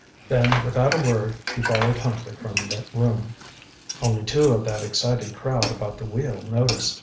Then without a word he followed Huntley from the room. Only two of that excited crowd about the wheel noticed.